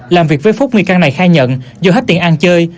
làm việc với phúc nghi can này khai nhận do hết tiền ăn chơi